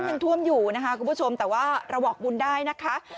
ยังท่วมอยู่นะคะคุณผู้ชมแต่ว่าเราบอกบุญได้นะคะ